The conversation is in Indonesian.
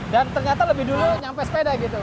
dan ternyata lebih dulu sampai sepeda gitu